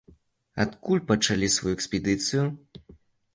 Адкуль пачалі сваю экспедыцыю?